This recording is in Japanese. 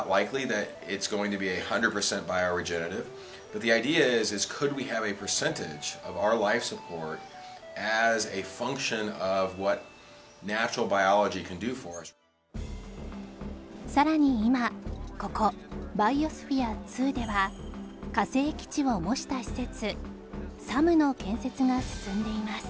この施設はさらに今ここバイオスフィア２では火星基地を模した施設 ＳＡＭ の建設が進んでいます